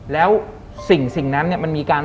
แล้วสิ่งนั้นมันมีการ